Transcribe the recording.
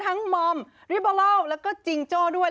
ทั้งมอมริเบอร์เล่าแล้วก็จิงโจ้ด้วย